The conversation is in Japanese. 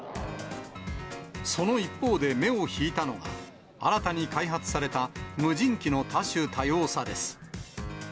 その一方で目を引いたのが、新たに開発された無人機の多種多様さです。